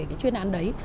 cái chuyên án đấy